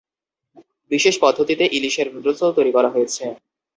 বিশেষ পদ্ধতিতে ইলিশের নুডলসও তৈরি করা হয়েছে।